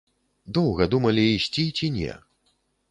Доўга думалі, ісці ці не.